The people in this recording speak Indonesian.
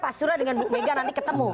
pak surah dan bu mega nanti ketemu